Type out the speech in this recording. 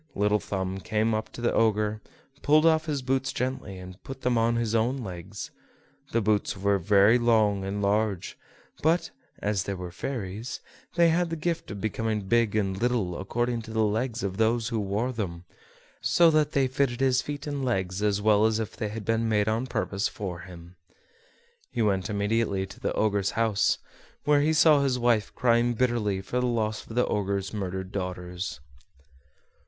Little Thumb came up to the Ogre, pulled off his boots gently and put them on his own legs. The boots were very long and large, but, as they were fairies, they had the gift of becoming big and little, according to the legs of those who wore them; so that they fitted his feet and legs as well as if they had been made on purpose for him. He went immediately to the Ogre's house, where he saw his wife crying bitterly for the loss of the Ogre's murdered daughters.